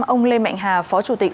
năm ông lê mạnh hà phó chủ tịch